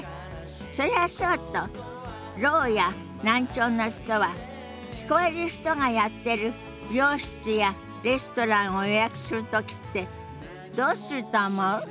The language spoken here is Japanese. それはそうとろうや難聴の人は聞こえる人がやってる美容室やレストランを予約する時ってどうすると思う？